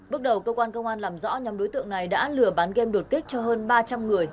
bước đầu cơ quan công an làm rõ nhóm đối tượng này đã lừa bán game đột kích cho hơn ba trăm linh người